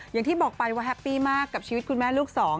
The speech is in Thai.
อย่างที่บอกไปว่าแฮปปี้มากกับชีวิตคุณแม่ลูกสอง